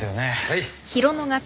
はい。